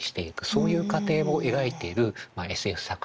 そういう過程を描いているＳＦ作品。